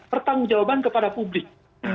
pertanggung jawaban kepada publik